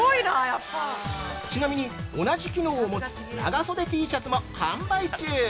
◆ちなみに、同じ機能を持つ長袖Ｔシャツも販売中。